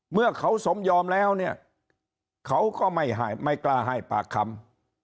เมื่อเขาสมยอมแล้วเนี่ยเขาก็ไม่กล้าให้ปากคำ